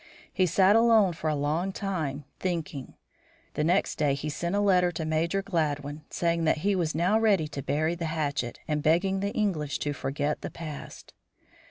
He sat alone for a long time, thinking. The next day he sent a letter to Major Gladwin saying that he was now ready to bury the hatchet, and begging the English to forget the past.